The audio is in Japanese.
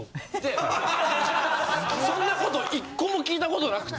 そんなこと１個も聞いたことなくて。